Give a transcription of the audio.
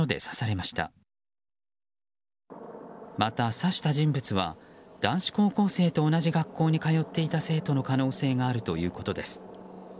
また、刺した人物は男子高校生と同じ学校に通っていた生徒の可能性があるということです。